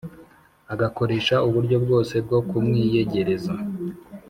agakoresha uburyo bwose bwo kumwiyegereza